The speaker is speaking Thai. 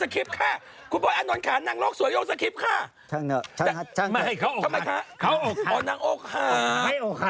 เขาโอ้กหา